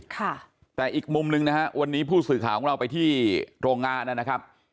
ค่ะแต่อีกมุมหนึ่งนะฮะวันนี้ผู้สื่อข่าวของเราไปที่โรงงานนะครับ